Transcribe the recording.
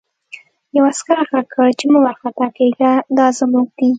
یوه عسکر غږ کړ چې مه وارخطا کېږه دا زموږ دي